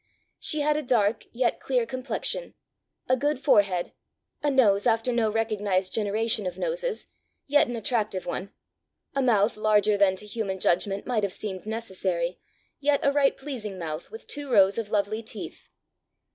She had a dark, yet clear complexion, a good forehead, a nose after no recognized generation of noses, yet an attractive one, a mouth larger than to human judgment might have seemed necessary, yet a right pleasing mouth, with two rows of lovely teeth.